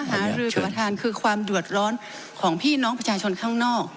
สิ่งที่ฉันมาหารือคือความเดือดร้อนของพี่น้องประชาชนข้างนอก